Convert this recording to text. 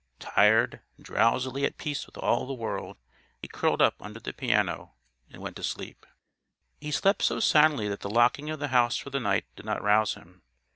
Tired, drowsily at peace with all the world, he curled up under the piano and went to sleep. He slept so soundly that the locking of the house for the night did not rouse him.